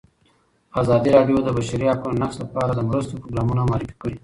ازادي راډیو د د بشري حقونو نقض لپاره د مرستو پروګرامونه معرفي کړي.